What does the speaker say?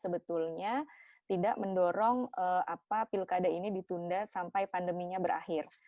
sebetulnya tidak mendorong pilkada ini ditunda sampai pandeminya berakhir